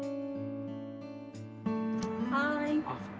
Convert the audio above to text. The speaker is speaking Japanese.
はい。